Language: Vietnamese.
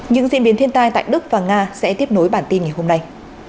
những diễn biến thiên tai tại đức và nga sẽ tiếp nối bản tin ngày hôm nay